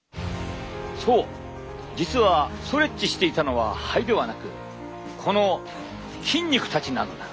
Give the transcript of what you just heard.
そう実はストレッチしていたのは肺ではなくこの筋肉たちなのだ。